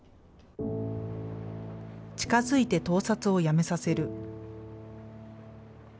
近づいて盗撮をやめさせる。